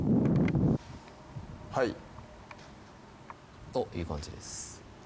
はいあっいい感じです